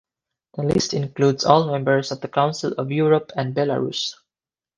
The list includes all members of the Council of Europe and Belarus.